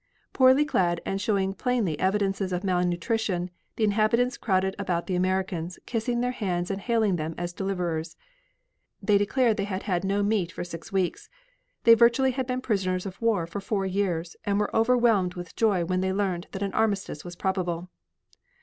Poorly clad and showing plainly evidences of malnutrition, the inhabitants crowded about the Americans, kissing their hands and hailing them as deliverers. They declared they had had no meat for six weeks. They virtually had been prisoners of war for four years and were overwhelmed with joy when they learned that an armistice was probable.